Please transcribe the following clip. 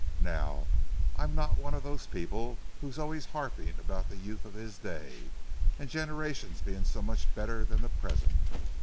Now, I'm not one of those people who're always harping about the youth of his day and generation being so much better than the present.